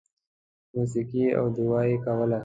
• موسیقي او دعا یې کوله.